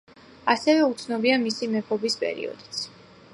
ასევე უცნობია მისი მეფობის პერიოდიც.